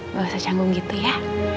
nggak usah canggung gitu ya